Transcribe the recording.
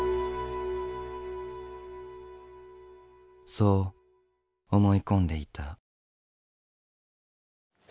そう思い込んでいた。